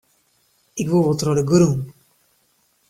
Ik woe wol troch de grûn.